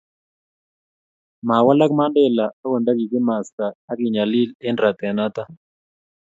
mawalaka Mandela akot nta kikimasta ake nyalil eng' rate noto